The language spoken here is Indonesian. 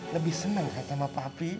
lebih seneng ketemu papi